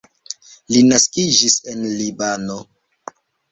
Li naskiĝis en Libano.